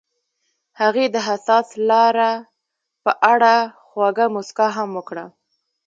هغې د حساس لاره په اړه خوږه موسکا هم وکړه.